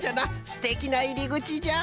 すてきないりぐちじゃ！